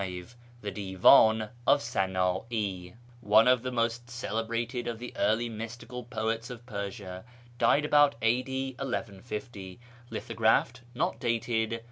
The Divdn of Sand'i, one of the most celebrated of the early mystical poets of Persia (died about a.d. 1150). Lithographed. Not dated.